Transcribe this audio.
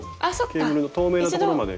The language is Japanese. ケーブルの透明なところまでグーッと。